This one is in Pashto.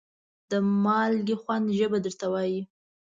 د مالګې خوند ژبه درته وایي.